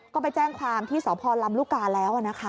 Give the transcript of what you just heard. ก็ไปแจ้งความที่สวพรรรมรุกาแล้วอ่ะนะคะ